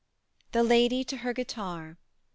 THE LADY TO HER GUITAR.